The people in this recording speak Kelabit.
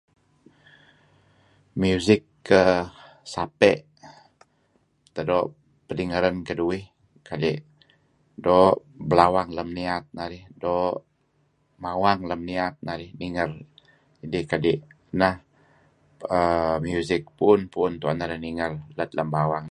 Music kah, Sapeh teh doo' padingaren keduih kadi' doo' belawang lem niat narih, doo' mawang lem niat narih ninger kadi' nah uhm music nuk puun-puun tuen narih ninger lat lem bawang.